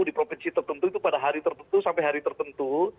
di provinsi tertentu itu pada hari tertentu sampai hari tertentu